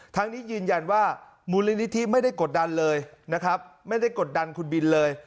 ทั้งนี้ยืนยันว่ามูลนิธิไม่ได้กดดันเลยนะครับไม่ได้กดดันคุณบินเลย